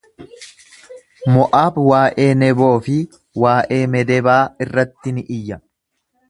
Mo’aab waa’ee Neboo fi waa’ee Meedebaa irratti ni iyya.